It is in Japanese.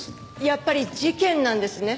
やっぱり事件なんですね。